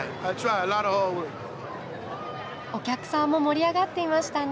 お客さんも盛り上がっていましたね。